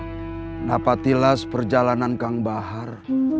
kenapa tilas perjalanan kang bahar